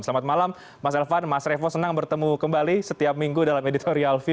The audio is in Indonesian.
selamat malam mas elvan mas revo senang bertemu kembali setiap minggu dalam editorial view